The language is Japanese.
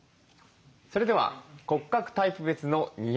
それでは骨格タイプ別の似合う小物。